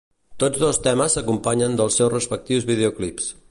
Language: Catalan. Tots dos temes s'acompanyen dels seus respectius videoclips.